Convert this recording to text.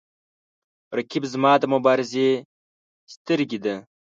رقیب زما د مبارزې سترګې ده